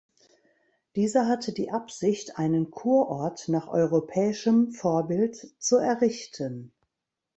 Dieser hatte die Absicht, einen Kurort nach europäischem Vorbild zu errichten.